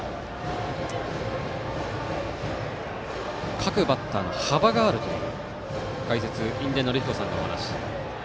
各バッター、幅があるという解説、印出順彦さんのお話。